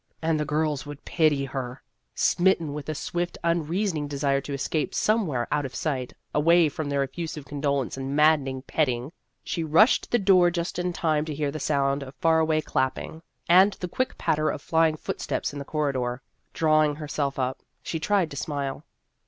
And the girls would pity her ! Smitten with a swift unreasoning desire to escape somewhere out of sight, away from their effusive condolence and maddening pet ting, she rushed to the door just in time to hear the sound of far away clapping, and the quick patter of flying footsteps in the corridor. Drawing herself up, she tried to smile.